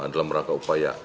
adalah meraka upaya